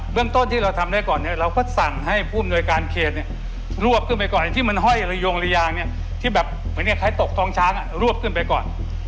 เบื้องต้นที่เราทำได้ก่อนเนี่ยเราก็สั่งให้ผู้อำนวยการเครตเนี่ยรวบขึ้นไปก่อน